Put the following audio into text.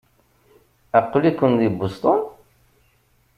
Aql-iken di Boston?